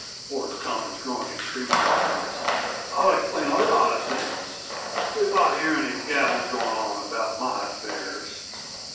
Ford's tone was growing extremely ominous. "I'll explain a lot of things if I hear any gabbling going on about my affairs."